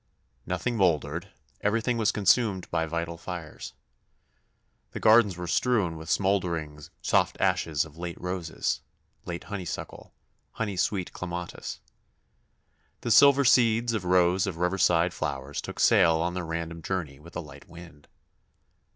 Nothing mouldered everything was consumed by vital fires. The gardens were strewn with smouldering soft ashes of late roses, late honeysuckle, honey sweet clematis. The silver seeds of rows of riverside flowers took sail on their random journey with a light wind.